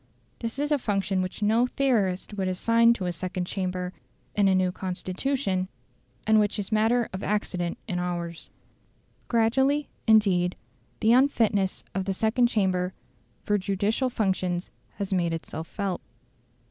This is a function which no theorist would assign to a second chamber in a new Constitution, and which is matter of accident in ours. Gradually, indeed, the unfitness of the second chamber for judicial functions has made itself felt.